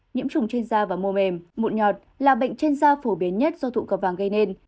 nhiễm trùng trên da và mô mềm mụn nhọt là bệnh trên da phổ biến nhất do tụ cầu vang gây nên